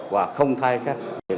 và không thay khách